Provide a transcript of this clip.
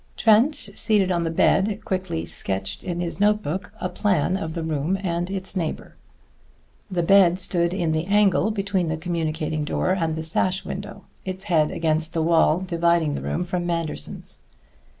Trent, seated on the bed, quickly sketched in his notebook a plan of the room and its neighbor. The bed stood in the angle between the communicating door and the sash window, its head against the wall dividing the room from Manderson's.